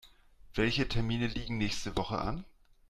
Welche Termine liegen nächste Woche an?